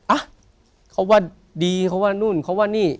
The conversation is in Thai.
อ่ะเขาว่าดีเขาว่านู่นเขาว่านี่